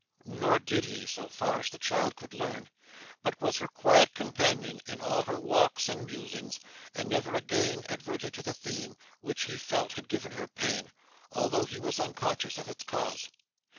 Nor did he, so far as the child could learn; but was her quiet companion in all her walks and musings, and never again adverted to the theme, which he felt had given her pain, although he was unconscious of its cause.